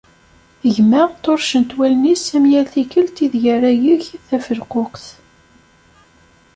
Gma ṭṭuṛṛcent wallen-is am yall tikkelt i deg ara yeg tafelquqt.